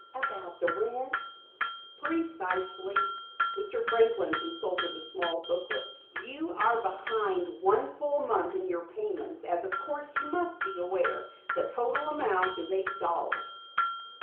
"About the rent?" "Precisely." Mr. Franklin consulted a small booklet. "You are behind one full month in your payments, as of course you must be aware. The amount totals eight dollars."